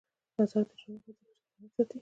آزاد تجارت مهم دی ځکه چې انسانیت ساتي.